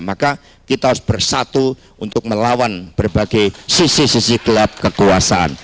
maka kita harus bersatu untuk melawan berbagai sisi sisi gelap kekuasaan